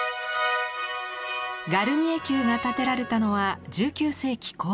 ガルニエ宮が建てられたのは１９世紀後半。